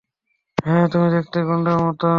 হ্যা, তুমি দেখতেও গুন্ডার মতো।